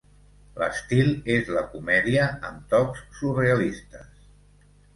L'estil és la comèdia amb tocs surrealistes.